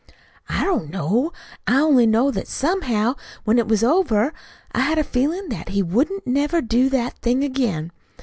"I don't know. I only know that somehow, when it was over, I had a feelin' that he wouldn't never do that thing again.